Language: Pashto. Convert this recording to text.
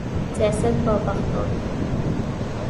سیاست په پښتو.